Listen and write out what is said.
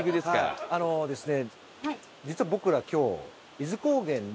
あのですね